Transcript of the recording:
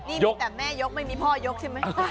นี่มีแต่แม่ยกไม่มีพ่อยกใช่ไหม